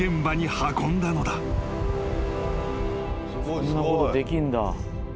そんなことできんだ。